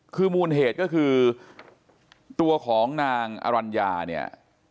คือมูลเหตุก็คือตัวของนางอรัญญาเนี่ย